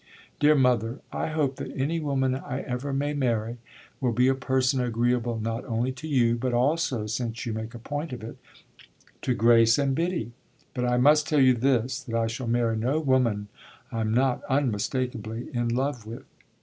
"Dear mother, I hope that any woman I ever may marry will be a person agreeable not only to you, but also, since you make a point of it, to Grace and Biddy. But I must tell you this that I shall marry no woman I'm not unmistakably in love with."